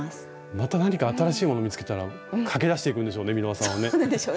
また何か新しいものを見つけたら駆け出していくんでしょうね